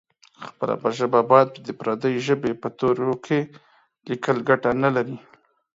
خپله ژبه باید د پردۍ ژبې په تورو کې لیکل ګټه نه لري.